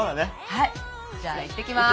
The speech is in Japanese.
はいじゃあ行ってきます。